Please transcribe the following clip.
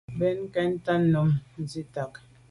Mbèn nke ntà num nsitsha’a.